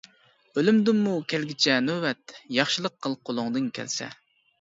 ئۆلۈمدىنمۇ كەلگۈچە نۆۋەت، ياخشىلىق قىل قۇلۇڭدىن كەلسە.